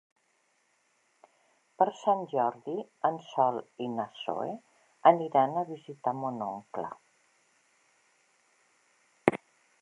Per Sant Jordi en Sol i na Zoè aniran a visitar mon oncle.